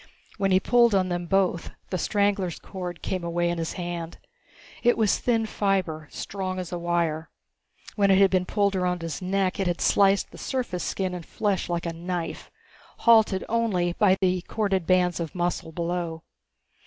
When he pulled on them both, the strangler's cord came away in his hand. It was thin fiber, strong as a wire. When it had been pulled around his neck it had sliced the surface skin and flesh like a knife, halted only by the corded bands of muscle below.